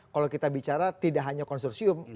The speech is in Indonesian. kalau kita bicara tidak hanya konsorsium